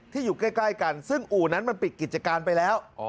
อยู่ใกล้กันซึ่งอู่นั้นมันปิดกิจการไปแล้ว